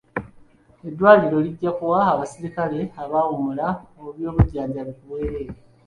Eddwaliro lijja kuwa abaserikale abawummula eby'obujjanjabi ku bwereere.